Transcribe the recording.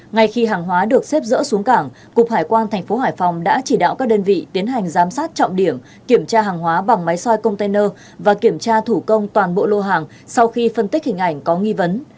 ngay khi hàng hóa được xếp dỡ xuống cảng cục hải quan tp hải phòng đã chỉ đạo các đơn vị tiến hành giám sát trọng điểm kiểm tra hàng hóa bằng máy soi container và kiểm tra thủ công toàn bộ lô hàng sau khi phân tích hình ảnh có nghi vấn